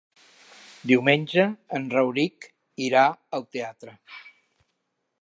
Diumenge en Rauric irà al teatre.